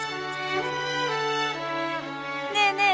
「ねえねえ